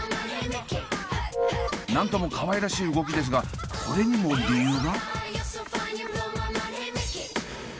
なんともかわいらしい動きですがこれにも理由が？